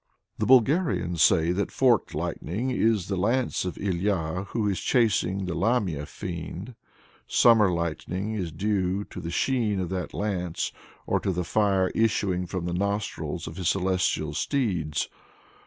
The Bulgarians say that forked lightning is the lance of Ilya who is chasing the Lamia fiend: summer lightning is due to the sheen of that lance, or to the fire issuing from the nostrils of his celestial steeds.